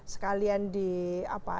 sekalian di apa